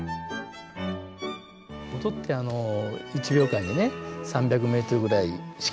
音ってあの１秒間にね３００ｍぐらいしか行かないわけですよね大体ね。